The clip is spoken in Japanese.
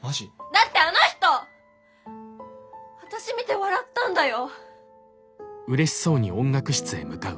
だってあの人私見て笑ったんだよ？